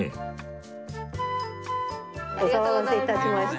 お騒がせいたしました。